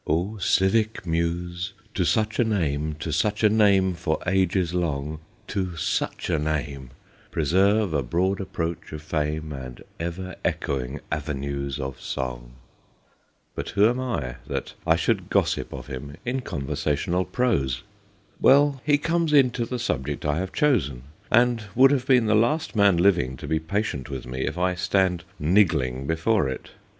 * O civic muse, to such a name, To such a name for ages long, To such a name, Preserve a broad approach of fame, And ever echoing avenues of song.' But who am I that I should gossip of him in conversational prose? Well, he comes into the subject I have chosen, and would have been the last man living to be patient with me if I stand niggling before it.